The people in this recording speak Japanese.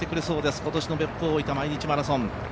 今年の別府大分毎日マラソン。